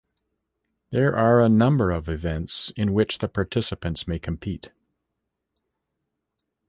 There are a number of events in which the participants may compete.